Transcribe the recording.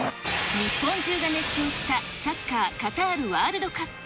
日本中が熱狂したサッカーカタールワールドカップ。